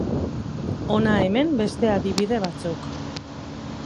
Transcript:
Hona hemen beste adibide batzuk.